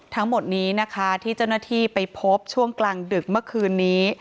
ทั้งหมดนี้นะคะที่เจ้าหน้าที่ไปพบช่วงกลางดึกเมื่อคืนนี้